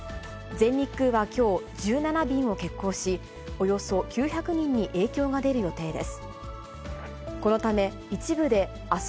全日空はきょう、１７便を欠航し、およそ９００人に影響が出る予定です。